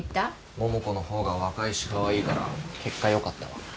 桃子の方が若いしカワイイから結果よかったわ。